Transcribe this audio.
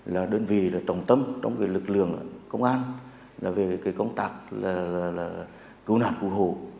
là đơn vị trọng tâm trong lực lượng công an về công tác cứu nạn cứu hộ